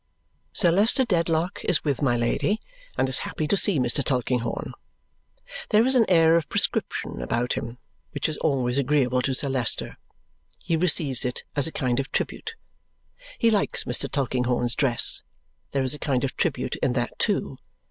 Sir Leicester Dedlock is with my Lady and is happy to see Mr. Tulkinghorn. There is an air of prescription about him which is always agreeable to Sir Leicester; he receives it as a kind of tribute. He likes Mr. Tulkinghorn's dress; there is a kind of tribute in that too.